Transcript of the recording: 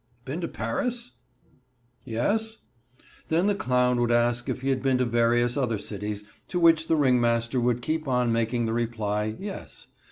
"Been to Paris?" "Yes." Then the clown would ask if he had been to various other cities, to which the ringmaster would keep on making the reply "Yes."